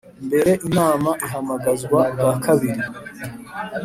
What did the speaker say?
mbere Inama Ihamagazwa bwa kabiri